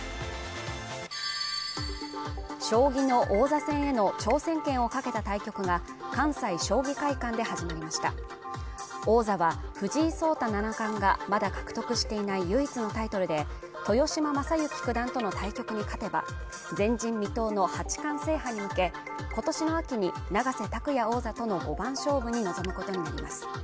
将棋の王座戦への挑戦権を懸けた対局が関西将棋会館で始まりました王座は藤井聡太七段がまだ獲得してない唯一のタイトルで豊島将之九段との対局に勝てば前人未到の八冠制覇に向け今年の秋に永瀬拓矢王座との５番勝負に臨むことになります